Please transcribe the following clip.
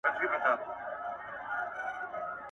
زه له سهاره سينه سپين کوم.